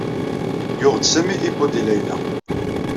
Yuɣ-d Sami iPod i Layla.